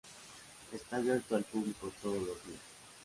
Está abierto al público todos los días.